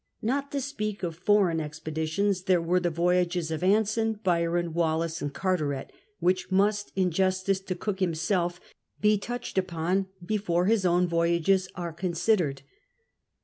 Not to speak of foreign expeditions, there were the voyages of Anson, Byron, Wallis, and Carteret, which must, in justice to Cook himself, be touched upon before his own voyages are considered.